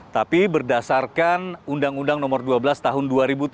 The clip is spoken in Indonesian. tapi berdasarkan undang undang nomor dua belas tahun dua ribu tujuh belas